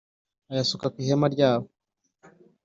ayasuka ku ihema rya bo